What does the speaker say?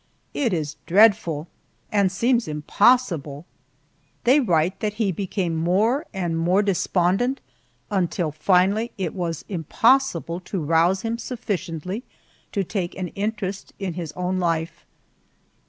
It is dreadful and seems impossible. They write that he became more and more despondent, until finally it was impossible to rouse him sufficiently to take an interest in his own life.